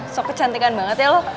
so kecantikan banget ya lo